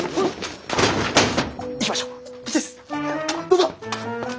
どうぞ。